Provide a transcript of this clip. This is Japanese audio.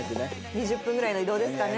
２０分ぐらいの移動ですかね。